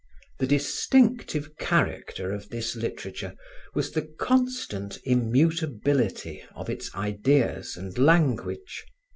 The distinctive character of this literature was the constant immutability of its ideas and language.